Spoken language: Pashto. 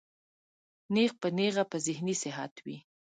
نېغ پۀ نېغه پۀ ذهني صحت وي